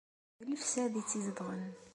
D lefsad i tt-izedɣen.